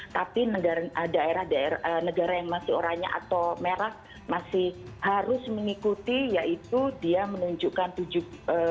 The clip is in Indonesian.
tapi daerah daerah negara yang masih oranya atau merah masih harus mengikuti yaitu dia menunjukkan tujuh